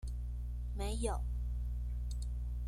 沒有